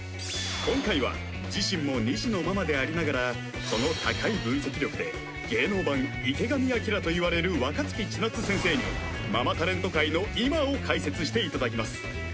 今回は自身も二児のママでありながらその高い分析力で「芸能版池上彰」といわれる若槻千夏先生にしていただきます